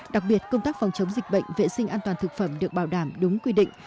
đặc biệt công tác phòng chống dịch bệnh vệ sinh an toàn thực phẩm được bảo đảm đúng quy định